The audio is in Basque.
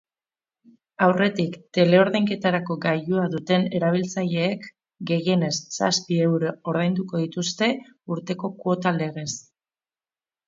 Aurretik teleordainketarako gailua duten erabiltzaileek gehienez zazpi euro ordainduko dituzte urteko kuota legez.